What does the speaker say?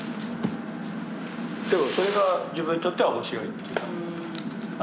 でもそれが自分にとっては面白いというか。